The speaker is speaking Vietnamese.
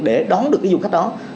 để đón được cái du khách đó